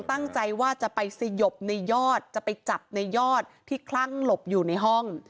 ตั้งใจว่าจะไปสยบในยอดจะไปจับในยอดที่คลั่งหลบอยู่ในห้อง